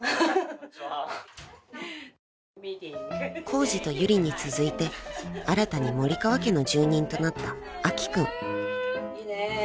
［コウジとユリに続いて新たに森川家の住人となった明希君］